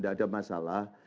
tidak ada masalah